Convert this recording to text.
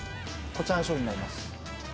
こちらの商品になります。